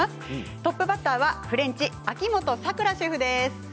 トップバッターはフレンチ秋元さくらシェフです。